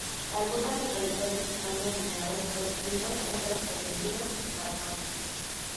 Algunas localidades están dominadas por pinos, otras por encinos y madroño.